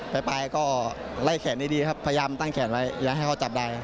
ปลายก็ไล่แขนดีครับพยายามตั้งแขนไว้อย่าให้เขาจับได้ครับ